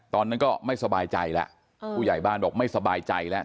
ตอนนั้นก็ไม่สบายใจแล้วผู้ใหญ่บ้านบอกไม่สบายใจแล้ว